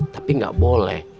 tapi tidak boleh